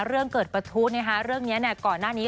เรื่องเกิดประทุเรื่องนี้ก่อนหน้านี้